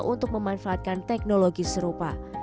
untuk memanfaatkan teknologi serupa